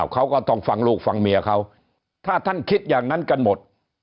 เขาก็ต้องฟังลูกฟังเมียเขาถ้าท่านคิดอย่างนั้นกันหมด